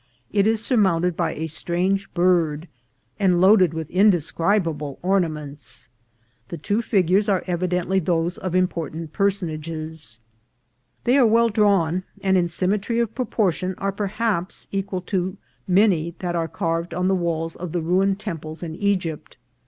It is surmounted by a strange bird, and loaded with in describable ornaments. The two figures are evidently those of important personages. They are well drawn, and in symmetry of proportion are perhaps equal to many that are carved on the walls of the ruined tem ples in Egypt.